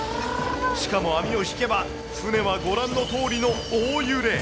しかも網を引けば、船はご覧のとおりの大揺れ。